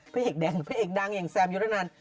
พระเอกดังพระเอกดังอย่างแซมยุรนัน